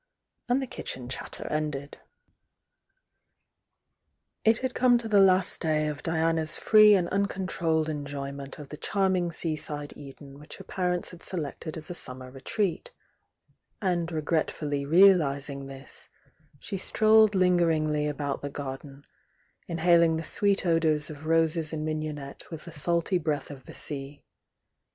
"— and the kitchen chatter ended. It had come to the last day of Diana's free and uncontrolled enjoyment of the charming sea side Eden which her parents had selected as a summer retreat,— and regretfully realising this, she strolled lingeringly about the garden, mhaling the sweet odours of roses and mignonette with the salty breath of the sea.